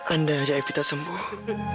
andai aja evita sembuh